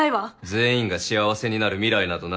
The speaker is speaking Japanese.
全員が幸せになる未来などない。